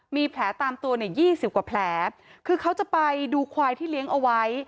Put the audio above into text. มีแผลตามตัวเนี่ยยี่สิบกว่าแผลคือเขาจะไปดูควายที่เลี้ยงเอาไว้